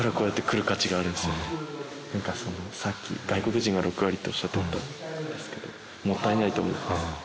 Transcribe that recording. なんかそのさっき外国人が６割っておっしゃってたんですけどもったいないと思って。